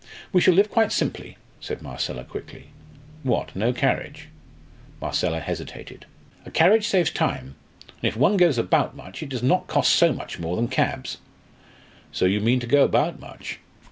"We shall live quite simply," said Marcella, quickly. "What, no carriage?" Marcella hesitated. "A carriage saves time. And if one goes about much, it does not cost so much more than cabs." "So you mean to go about much?